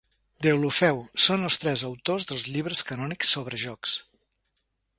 Deulofeu—, són els tres autors dels llibres canònics sobre jocs.